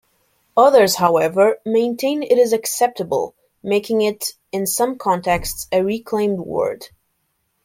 Others, however, maintain it is acceptable, making it in some contexts a reclaimed word.